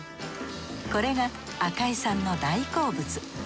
これが赤井さんの大好物。